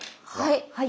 はい。